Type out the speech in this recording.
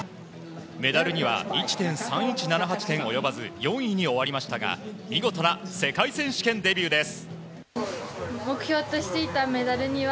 メダルには１．３１７８点及ばず４位に終わりましたが見事な世界選手権デビューです。